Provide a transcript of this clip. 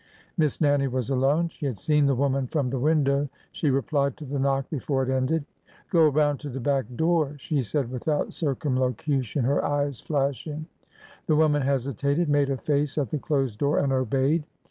Miss Nannie was alone. She had seen the woman from the window. She replied to the knock before it ended. Go around to the back door !" she said without cir cumlocution, her eyes flashing. The woman hesitated, made a face at the closed door, and obeyed.